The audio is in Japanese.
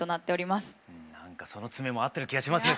何かその爪も合ってる気がしますね。